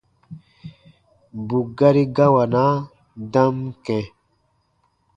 Bù gari gawanaa dam kɛ̃.